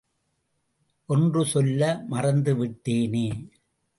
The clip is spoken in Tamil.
ஒன்று சொல்ல மறந்து விட்டேனே.